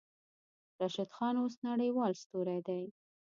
راشد خان اوس نړۍوال ستوری دی.